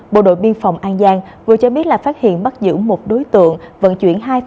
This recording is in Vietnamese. bộ đội biên phòng an giang vừa cho biết là phát hiện bắt giữ một đối tượng vận chuyển